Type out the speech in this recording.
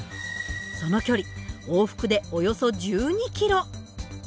その距離往復でおよそ１２ｋｍ。